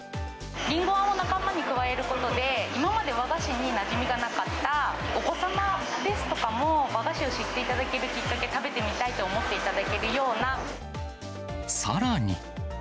林檎あんを仲間に加えることで、今まで和菓子になじみがなかったお子様ですとかも、和菓子を知っていただけるきっかけ、食べてみたいと思っていただけるさらに。